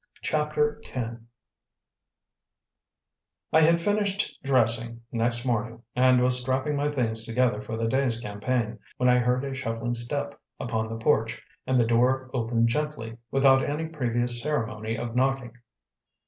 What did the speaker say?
CHAPTER X I had finished dressing, next morning, and was strapping my things together for the day's campaign, when I heard a shuffling step upon the porch, and the door opened gently, without any previous ceremony of knocking.